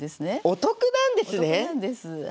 お得なんですはい。